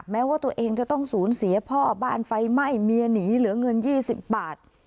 แม้ว่าตัวเองจะต้องสูญเสียพ่อบ้านไฟไหม้เมียหนีเหลือเงิน๒๐บาท